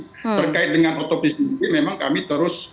jadi terkait dengan otopsi ini memang kami terus